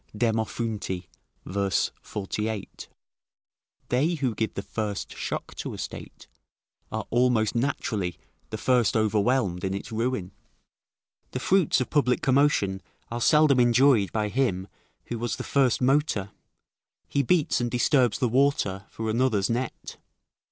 Demophoonti, vers. 48.] They who give the first shock to a state, are almost naturally the first overwhelmed in its ruin the fruits of public commotion are seldom enjoyed by him who was the first motor; he beats and disturbs the water for another's net.